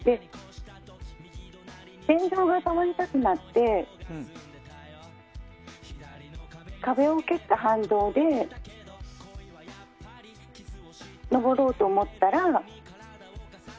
天井が触りたくなって壁を蹴った反動で上ろうと思ったら。